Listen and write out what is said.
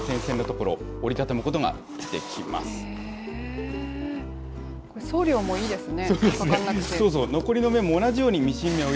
これ、送料もいいですね。